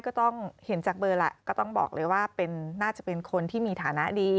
ก็ต้องเห็นจากเบอร์แหละก็ต้องบอกเลยว่าน่าจะเป็นคนที่มีฐานะดี